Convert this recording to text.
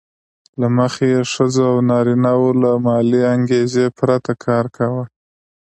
له مخې یې ښځو او نارینه وو له مالي انګېزې پرته کار کاوه